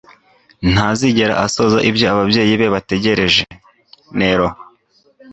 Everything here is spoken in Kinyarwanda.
Ntazigera asohoza ibyo ababyeyi be bategereje. (Nero)